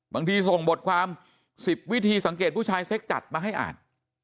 บางทีส่งบทความ๑๐วิธีสังเกตผู้ชายเซ็กจัดมาให้อ่าน